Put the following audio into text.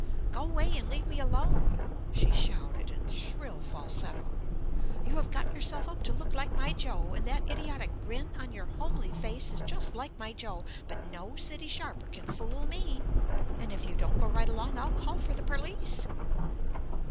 "Go 'way and leave me alone," she shouted in shrill falsetto. "You have got yourself up to look like my Joe—and that idiotic grin on your homely face is just like my Joe, but no city sharper can fool me, and if you don't go right along I'll call for the perlice!"